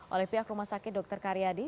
oleh pihak rumah sakit dr karyadi